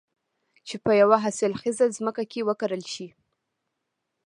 چې په يوه حاصل خېزه ځمکه کې وکرل شي.